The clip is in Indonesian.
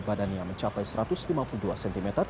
badannya mencapai satu ratus lima puluh dua cm